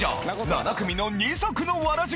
７組の二足のわらじ